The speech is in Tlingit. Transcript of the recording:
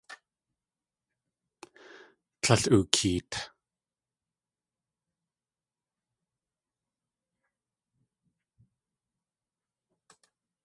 Tlél ookeet.